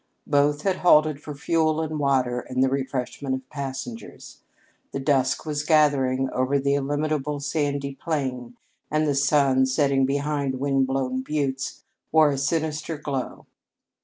Both had halted for fuel and water and the refreshment of the passengers. The dusk was gathering over the illimitable sandy plain, and the sun, setting behind wind blown buttes, wore a sinister glow.